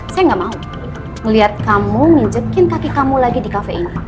saya nggak mau melihat kamu menjekin kaki kamu lagi di kafe ini